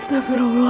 hati hati ya allah